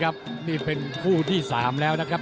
ครับนี่เป็นคู่ที่สามแล้วนะครับ